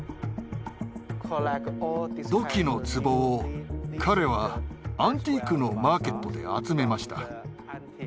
土器のつぼを彼はアンティークのマーケットで集めました。